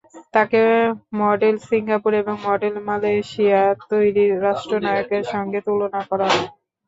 তাঁকে model Singapore এবং model Malaysia তৈরির রাষ্ট্রনায়কের সঙ্গে তুলনা করা হয়।